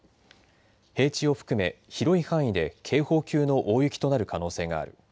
平地を含め広い範囲で警報級の大雪となる可能性がある。